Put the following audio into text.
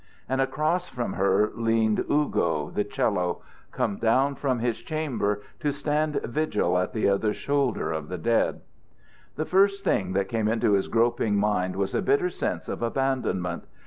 And across from her leaned "Ugo," the 'cello, come down from his chamber to stand vigil at the other shoulder of the dead. The first thing that came into his groping mind was a bitter sense of abandonment.